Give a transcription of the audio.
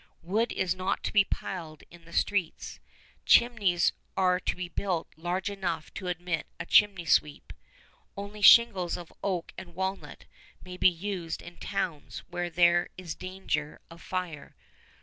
"Wood is not to be piled on the streets." "Chimneys are to be built large enough to admit a chimney sweep." "Only shingles of oak and walnut may be used in towns where there is danger of fire."